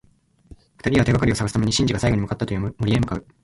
二人は、手がかりを探すためシンジが最後に向かったという森へ向かう。